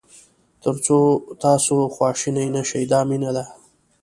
تر څو تاسو خواشینی نه شئ دا مینه ده.